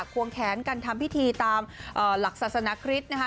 ควงแขนกันทำพิธีตามหลักศาสนคริสต์นะคะ